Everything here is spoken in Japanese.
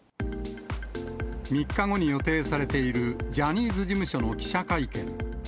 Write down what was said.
３日後に予定されているジャニーズ事務所の記者会見。